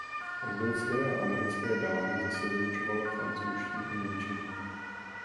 Anglické a americké dámy zase vyučovala francouzštinu a němčinu.